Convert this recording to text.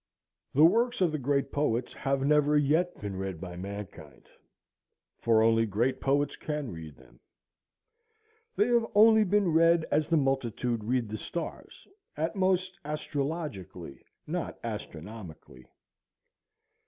The works of the great poets have never yet been read by mankind, for only great poets can read them. They have only been read as the multitude read the stars, at most astrologically, not astronomically.